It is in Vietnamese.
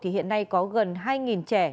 thì hiện nay có gần hai trẻ